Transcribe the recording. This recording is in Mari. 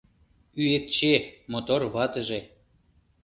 Ӱэкче, мотор ватыже